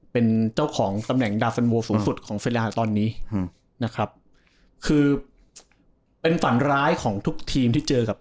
เป็นเจ้าของตำแหน่งดาฟันโวสูงสุดของเฟลาตอนนี้อืมนะครับคือเป็นฝันร้ายของทุกทีมที่เจอกับ